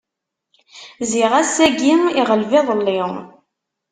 Ziɣ ass-ayi iɣleb iḍelli.